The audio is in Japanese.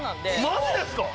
マジですか！？